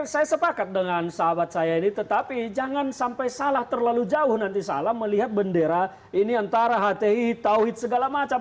saya sepakat dengan sahabat saya ini tetapi jangan sampai salah terlalu jauh nanti salah melihat bendera ini antara hti tauhid segala macam